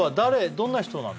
どんな人なの？